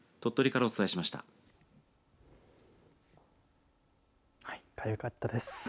かわいかったです。